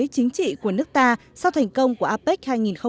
chính trị của nước ta sau thành công của apec hai nghìn một mươi tám